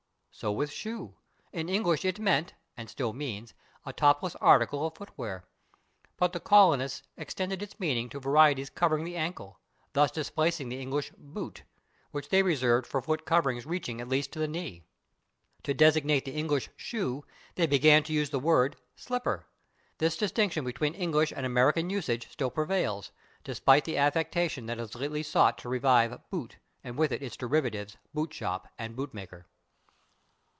" So with /shoe/. In English it meant (and still means) a topless article of foot wear, but the colonists extended its meaning to varieties covering the ankle, thus displacing the English /boot/, which they reserved for foot coverings reaching at least to the knee. To designate the English /shoe/ they began to use the word /slipper/. This distinction between English and American usage still prevails, despite the affectation which has lately sought to revive /boot/, and with it its derivatives, /boot shop/ and /bootmaker